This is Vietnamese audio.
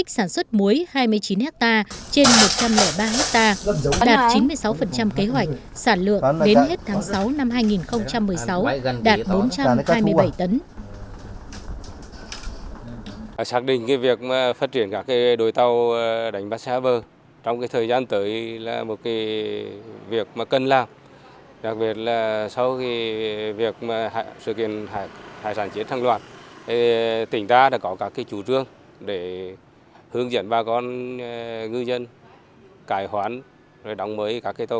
sản xuất muối hai mươi chín hectare trên một trăm linh ba hectare đạt chín mươi sáu kế hoạch sản lượng đến hết tháng sáu năm hai nghìn một mươi sáu đạt bốn trăm hai mươi bảy tấn